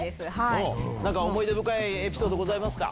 何か思い出深いエピソードございますか？